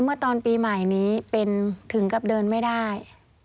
เมื่อตอนปีใหม่นี้เป็นถึงกับเดินไม่ได้